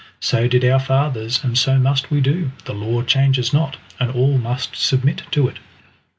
So did our fathers, and so must we do. The law changes not, and all must submit to it!"